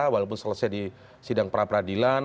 walaupun selesai di sidang pra peradilan